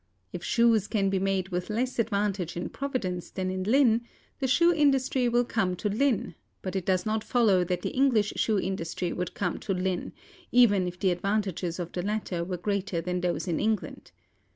If shoes can be made with less advantage in Providence than in Lynn, the shoe industry will come to Lynn; but it does not follow that the English shoe industry would come to Lynn, even if the advantages of the latter were greater than those in England.